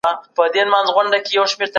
اسلامي شريعت د خلګو د عزت ساتلو حکم کوي.